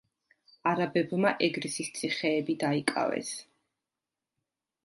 არაბებმა ეგრისის ციხეები დაიკავეს.